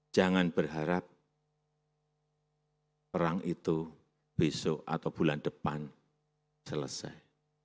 jangan berharap perang itu besok atau bulan depan selesai